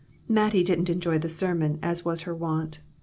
Mattie didn't enjoy the sermon as was her wont.